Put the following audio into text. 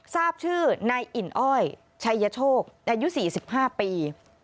ทราบชื่อนายอิ่นอ้อยชัยโชคอายุ๔๕ปี